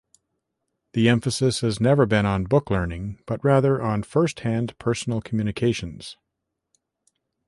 The emphasis has never been on book learning, but rather on first-hand personal communication.